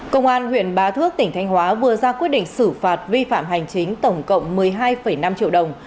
công an huyện bá thước tỉnh thanh hóa vừa ra quyết định xử phạt vi phạm hành chính tổng cộng một mươi hai năm triệu đồng